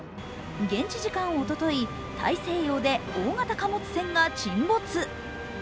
現地時間おととい大西洋で大型貨物船が沈没。